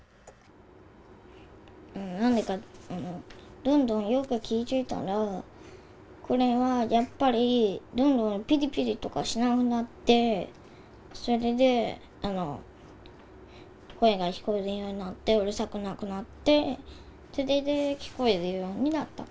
なんでかどんどんよく聞いてたらこれはやっぱりどんどんピリピリとかしなくなってそれで声が聞こえるようになってうるさくなくなってそれで聞こえるようになったの。